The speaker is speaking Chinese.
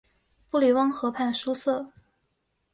布里翁河畔苏塞。